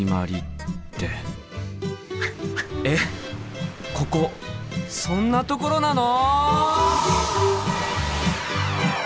えっここそんなところなの！？